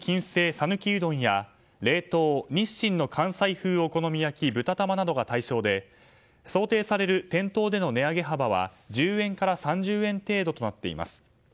讃岐うどんや冷凍日清の関西風お好み焼ぶた玉などが対象で想定される店頭での値上げ幅は１０円から３０円程度となっています。